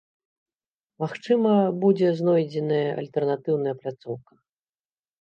Магчыма, будзе знойдзеная альтэрнатыўная пляцоўка.